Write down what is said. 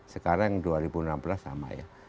sekarang dua ribu enam belas sama ya